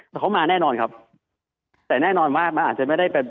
แต่เขามาแน่นอนครับแต่แน่นอนว่ามันอาจจะไม่ได้ไป